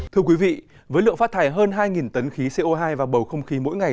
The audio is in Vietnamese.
thưa quý vị với lượng phát thải hơn hai tấn khí co hai và bầu không khí mỗi ngày